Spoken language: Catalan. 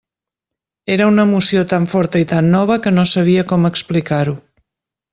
Era una emoció tan forta i tan nova, que no sabia com explicar-ho.